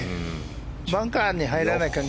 バンカーに入らない限り。